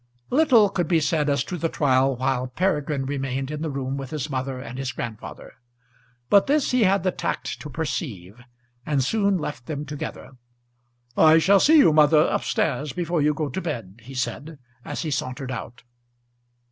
Little could be said as to the trial while Peregrine remained in the room with his mother and his grandfather; but this he had the tact to perceive, and soon left them together. "I shall see you, mother, up stairs before you go to bed," he said as he sauntered out.